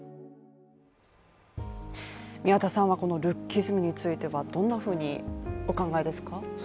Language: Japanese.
宮田さんはこのルッキズムについてはどんなふうにお考えですか？